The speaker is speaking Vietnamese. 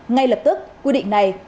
ngay lập tức quy định này có phần lái